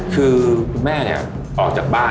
คือแม่นี้ออกจากบ้าน